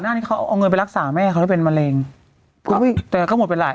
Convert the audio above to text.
หน้านี้เขาเอาเงินไปรักษาแม่เขาได้เป็นมะเร็งโอ้มีแต่เขา